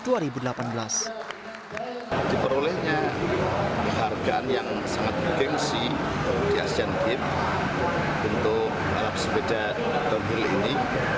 diperolehnya hargaan yang sangat bergensi di asian games untuk balap sepeda deltoril ini